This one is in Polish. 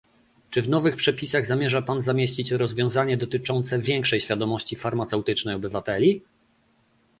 czy w nowych przepisach zamierza pan zamieścić rozwiązanie dotyczące większej świadomości farmaceutycznej obywateli?